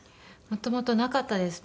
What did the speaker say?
もともとなかったです。